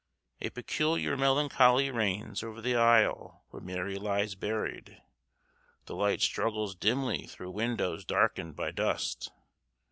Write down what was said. A peculiar melancholy reigns over the aisle where Mary lies buried. The light struggles dimly through windows darkened by dust.